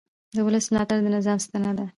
د ولس ملاتړ د نظام ستنه ده